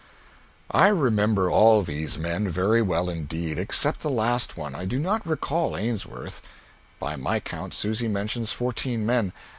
I remember all these men very well indeed, except the last one. I do not recall Ainsworth. By my count, Susy mentions fourteen men.